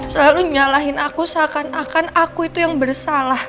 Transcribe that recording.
selalu nyalahin aku seakan akan aku itu yang bersalah